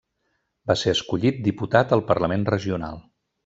Va ser escollit diputat al parlament regional.